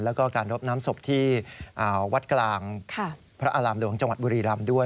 และการรบน้ำศพที่วัดกลางพระอารามเหลวงจบริรำด้วย